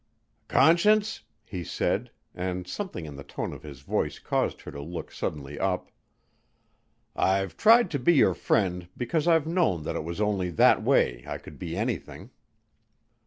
"Conscience," he said, and something in the tone of his voice caused her to look suddenly up, "I've tried to be your friend because I've known that it was only that way I could be anything."